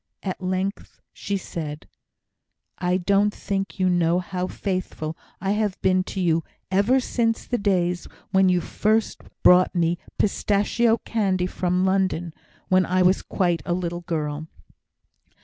At length she said: "I don't think you know how faithful I have been to you ever since the days when you first brought me pistachio candy from London when I was quite a little girl."